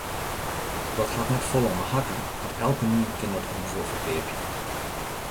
Dat hat net folle om ’e hakken, want elkenien kin dat ommers wol ferkeapje.